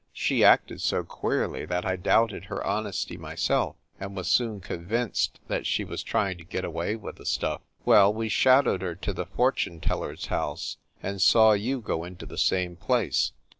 She acted so queerly that I doubted her honesty myself, and was soon convinced that she was trying to get away with the stuff. "Well, we shadowed her to the fortune teller s house, and saw you go into the same place.